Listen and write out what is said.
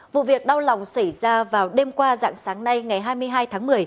vụ việc đau lòng xảy ra vào đêm qua dạng sáng nay ngày hai mươi hai tháng một mươi